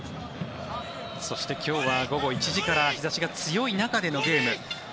そして今日は午後１時から日差しが強い中でのゲーム。